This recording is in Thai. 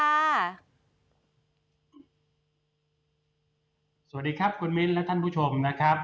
สวัสดีครับคุณมิ้นและท่านผู้ชมนะครับ